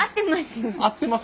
合ってます？